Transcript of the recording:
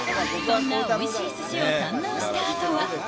そんなおいしいすしを堪能したあとは。